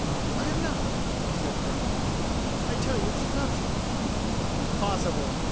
"I am not," she said firmly; "I tell you she loves you." "Impossible!"